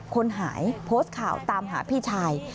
คนหายโพสต์ข่าวตามหาพี่ชาย